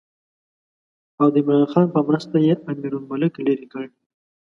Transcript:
او د عمرا خان په مرسته یې امیرالملک لرې کړ.